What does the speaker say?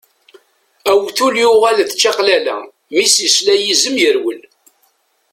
Awtul yuɣal d at čaqlala, mi s-yesla yizem yerwel.